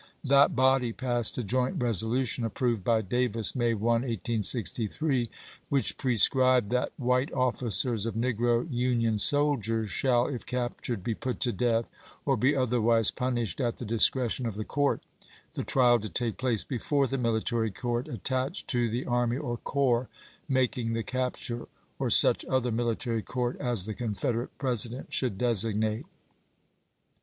That body passed a joint reso lution, approved by Davis May 1, 1863, which prescribed that white officers of negro Union soldiers *' shall, if captured, be put to death or be othei*wise punished at the discretion of the court," the trial to take place " before the military court attached to the army or corps " making the cap ture, or such other military court as the Confed erate President should designate.